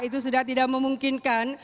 itu sudah tidak memungkinkan